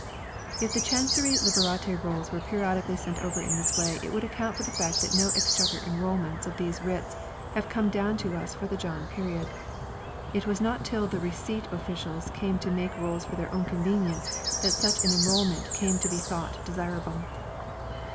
If the Chancery Liberate Rolls were periodically sent over in this way it would account for the fact that no Exchequer enrolments of these writs have come down to us for the John period it was not till the Receipt officials came to make rolls for their own convenience that such an enrolment came to be thought desirable.